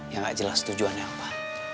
yang gak jelas tujuannya apa